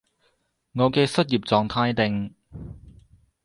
我嘅失業狀態令